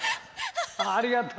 ありがとう。